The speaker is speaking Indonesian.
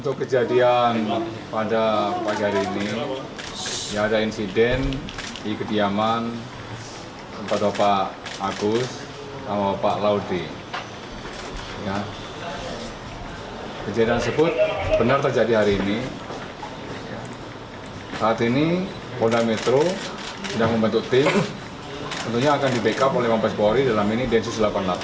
ketiga kemudian akan di backup oleh mampas bauri dalam ini densus delapan puluh delapan